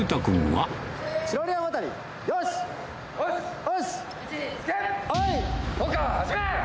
はい！